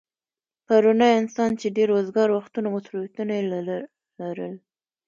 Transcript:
پرونی انسان چې ډېر وزگار وختونه او مصروفيتونه يې لرل